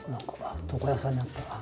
床屋さんになったな。